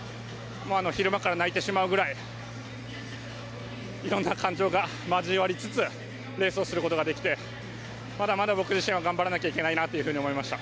昼間から泣いてしまうぐらいいろんな感情が交わりつつレースをすることができてまだまだ、僕自身頑張らなきゃいけないなと思いました。